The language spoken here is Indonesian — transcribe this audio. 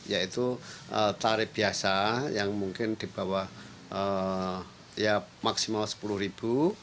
yaitu tarif biasa yang mungkin di bawah ya maksimal sepuluh ribu